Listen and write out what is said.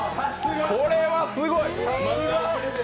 これはすごい。